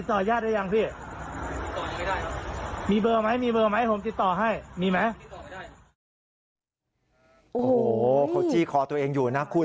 โอ้โหเขาจี้คอตัวเองอยู่นะคุณ